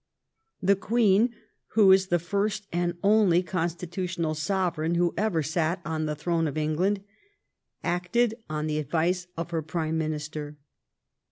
The Queen, who is the first and only constitu tional sovereign who ever sat on the throne of England, acted on the advice of her Prime Min ister.